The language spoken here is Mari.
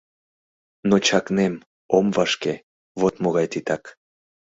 Но чакнем, ом вашке Вот могай титак!